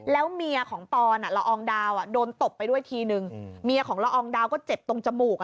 แล้วเมียของปอนละอองดาวโดนตบไปด้วยทีนึงเมียของละอองดาวก็เจ็บตรงจมูก